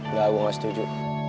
engga gue gak setuju